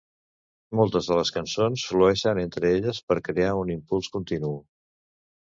Moltes de les cançons flueixen entre elles per crear un impuls continu.